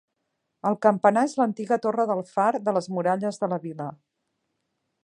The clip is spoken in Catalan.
El campanar és l'antiga Torre del Far de les muralles de la vila.